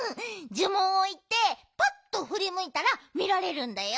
じゅもんをいってパッとふりむいたらみられるんだよ。